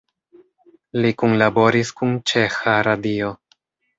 Li kunlaboris kun Ĉeĥa Radio.